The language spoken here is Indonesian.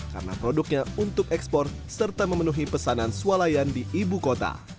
karena produknya untuk ekspor serta memenuhi pesanan swalayan di ibu kota